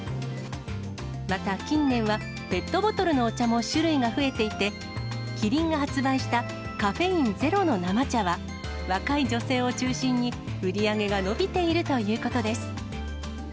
また近年は、ペットボトルのお茶も種類が増えていて、キリンが発売したカフェインゼロの生茶は、若い女性を中心に、売り上げが伸びているということです。